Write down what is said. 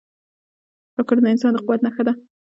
راکټ د انسان د قوت نښه ده